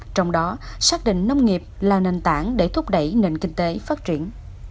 trong đó xác định nông nghiệp là nền tảng để thúc đẩy nền kinh tế phát triển